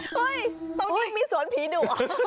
เฮ่ยตรงนี้มีศพผีดุ